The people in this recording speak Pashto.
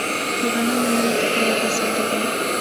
د غنمو نوي تخمونه حاصل ډیروي.